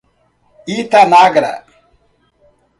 Itanagra